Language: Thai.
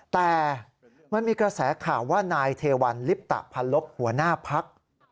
แต่มันมีกระแสข่าวว่านายเทวันลิปตะพันลบหัวหน้าพัก